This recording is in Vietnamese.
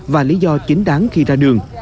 và lý do chính đáng khi ra đường